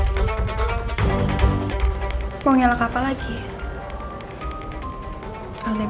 sampai penceritakanmu ter calculation